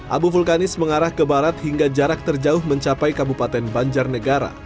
abu vulkanis mengarah ke barat hingga jarak terjauh mencapai kabupaten banjarnegara